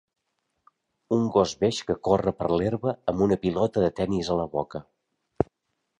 Un gos beix que corre per l'herba amb una pilota de tennis a la boca.